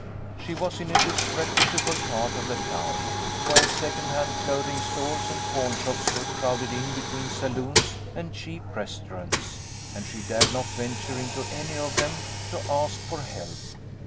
She was in a disreputable part of the town, where second hand clothing stores and pawn shops were crowded in between saloons and cheap restaurants, and she dared not venture into any of them to ask for help.